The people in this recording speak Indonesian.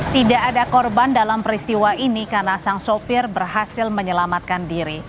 tidak ada korban dalam peristiwa ini karena sang sopir berhasil menyelamatkan diri